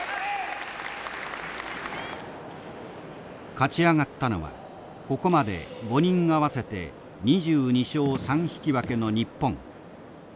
勝ち上がったのはここまで５人合わせて２２勝３引き分けの日本。